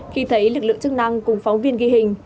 khi thấy lực lượng chức năng cùng phóng viên ghi hình